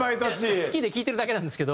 好きで聴いてるだけなんですけど。